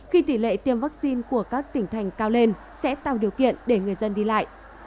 khi tỷ lệ tiêm vaccine của các tỉnh thành cao lên sẽ tạo điều kiện để người dân đi lại